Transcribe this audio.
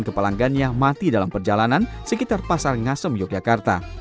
dan kepalanggannya mati dalam perjalanan sekitar pasar ngasem yogyakarta